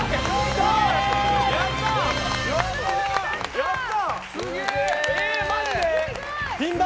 やった！